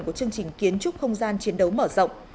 của chương trình kiến trúc không gian chiến đấu mở rộng